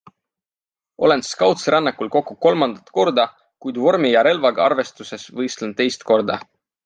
Olen Scoutsrännakul kokku kolmandat korda, kuid vormi ja relvaga arvestuses võistlen teist korda.